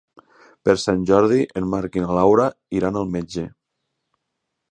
Per Sant Jordi en Marc i na Laura iran al metge.